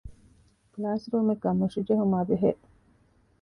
ކްލާސްރޫމެއްގައި މުށިޖެހުމާބެހޭ